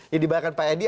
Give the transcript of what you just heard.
jadi bahkan pak edi